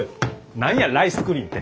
何やライスクリンて。